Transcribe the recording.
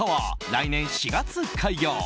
来年４月開業。